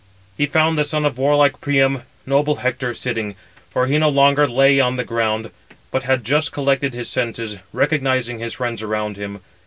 He found the son of warlike Priam, noble Hector, sitting; for he no longer lay [on the ground], but had just collected his senses, recognizing his friends around him.